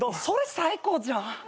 それ最高じゃん。